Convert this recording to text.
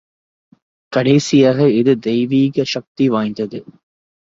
கடைசியாக, இது தெய்வீக சக்தி வாய்ந்தது.